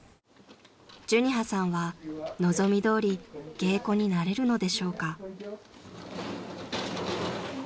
［寿仁葉さんは望みどおり芸妓になれるのでしょうか？］